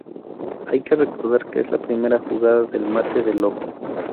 Hay que recordar que es la primera jugada del mate del loco.